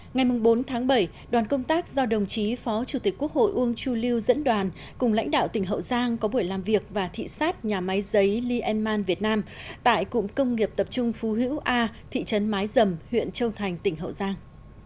ngày bốn tháng bảy đoàn công tác do đồng chí phó chủ tịch quốc hội uông chu lưu dẫn đoàn cùng lãnh đạo tỉnh hậu giang có buổi làm việc và thị xát nhà máy giấy lienman việt nam tại cụng công nghiệp tập trung phú hữu a thị trấn mái dầm huyện châu thành tỉnh hậu giang